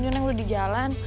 neng udah di jalan